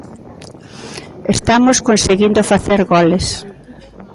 Estamos conseguindo facer goles.